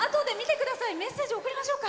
メッセージ送りましょう。